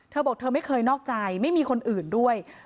เธอบอกเธอไม่เคยนอกใจไม่มีคนอื่นด้วย